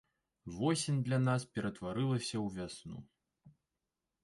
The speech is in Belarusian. Восень для нас ператварылася ў вясну.